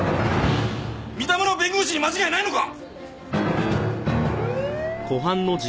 三田村弁護士に間違いないのか！？